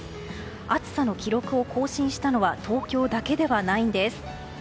暑さの記録を更新したのは東京だけではないんです。